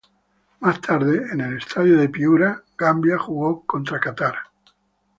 Más tarde en el estadio de Piura', Gambia jugó contra Qatar.